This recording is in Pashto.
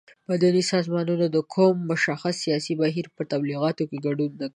مدني سازمانونه د کوم مشخص سیاسي بهیر په تبلیغاتو کې ګډون نه کوي.